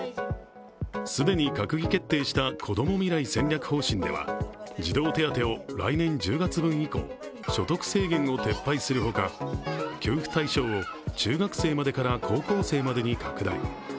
既に閣議決定したこども未来戦略方針では、児童手当を来年１０月分以降、所得制限を撤廃するほか給付対象を中学生までから高校生までに拡大。